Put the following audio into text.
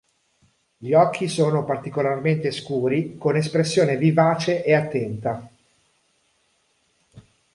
Gli occhi sono particolarmente scuri, con espressione vivace e attenta.